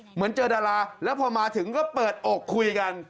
เหมือนเจอดาราแล้วพอมาถึงก็เปิดอกคุยกัน